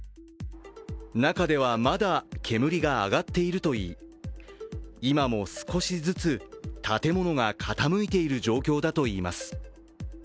中ではまだ煙が上がっているといい今も少しずつ建物が傾いている状況だといいます。